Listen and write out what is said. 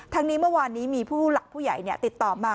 นี้เมื่อวานนี้มีผู้หลักผู้ใหญ่ติดต่อมา